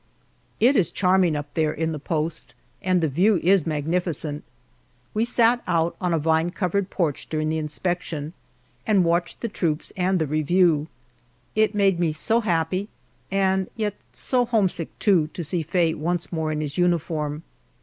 It is charming up there in the post and the view is magnificent. We sat out on a vine covered porch during the inspection, and watched the troops and the review. It made me so happy, and yet so homesick, too, to see Faye once more in his uniform.